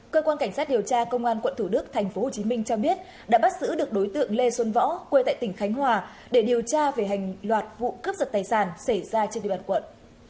cơ quan cảnh sát điều tra công an quận thủ đức tp hcm cho biết đã bắt giữ được đối tượng lê xuân võ quê tại tỉnh khánh hòa để điều tra về hành loạt vụ cướp giật tài sản xảy ra trên địa bàn quận